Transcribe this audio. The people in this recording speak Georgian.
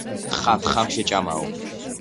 თხა თხამ შეჭამაო